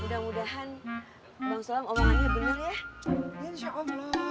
mudah mudahan bang sulam omongannya benar ya